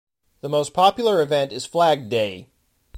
The most popular event is Flag Day.